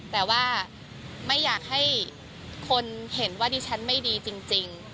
แต่ว่าไม่อยากให้คนเห็นว่าดิฉันไม่ดีจริง